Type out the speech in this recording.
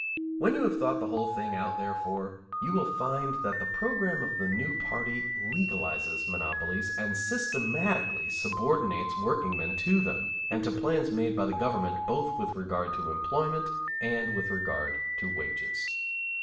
When you have thought the whole thing out, therefore, you will find that the program of the new party legalizes monopolies and systematically subordinates workingmen to them and to plans made by the government both with regard to employment and with regard to wages.